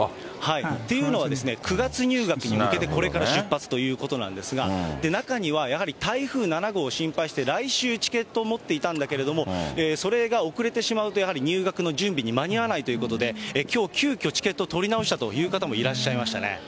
というのは、９月入学に向けて、これから出発ということなんですが、中には、やはり台風７号を心配して、来週チケットを持っていたんだけれども、それが遅れてしまうとやはり入学の準備に間に合わないということで、きょう、急きょチケットを取り直したという方もいらっしゃいましたね。